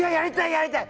やりたい！